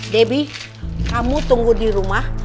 debbie kamu tunggu di rumah